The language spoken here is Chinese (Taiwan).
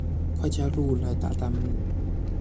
快加入來打彈幕